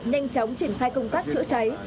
nhanh chóng triển khai công tác chữa cháy